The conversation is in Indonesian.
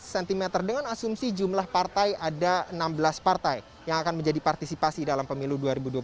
kita asumsi jumlah partai ada enam belas partai yang akan menjadi partisipasi dalam pemilu dua ribu dua puluh empat